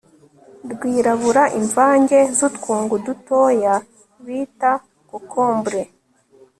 rwirabura imvange zutwungu dutoya bita kokombre